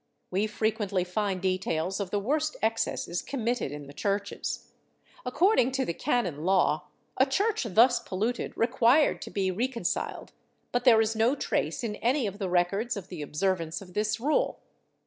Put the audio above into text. We frequently find details of the worst excesses committed in the churches. According to the canon law (Cap. 5, Extra, v, xvi) a church thus polluted required to be recon ciled, but there is no trace in any of the records of the observance of this rule.